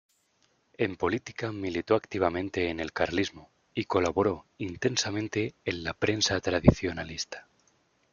En política militó activamente en el carlismo y colaboró intensamente en la prensa tradicionalista.